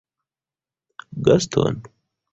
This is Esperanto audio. Gaston?